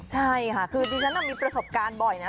ใช่ค่ะคือดิฉันมีประสบการณ์บ่อยนะ